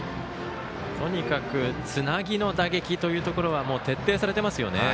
とにかく、つなぎの打撃というところは徹底されてますよね。